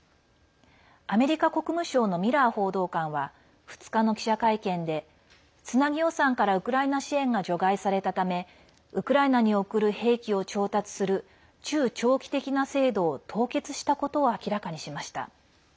アメリカ国務省のミラー報道官は２日の記者会見でつなぎ予算からウクライナ支援が除外されたためウクライナに送る兵器を調達する中長期的な制度を凍結したことを明らかにしました。